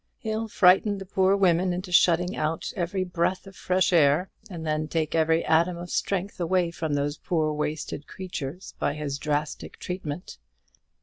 He'll frighten the poor women into shutting out every breath of fresh air, and then take every atom of strength away from those poor wasted creatures by his drastic treatment.